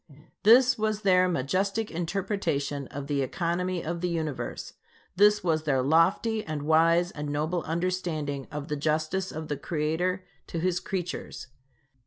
This was their majestic interpretation of the economy of the Universe. This was their lofty, and wise, and noble understanding of the justice of the Creator to his creatures.